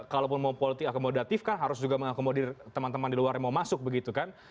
kalaupun mau politik akomodatif kan harus juga mengakomodir teman teman di luar yang mau masuk begitu kan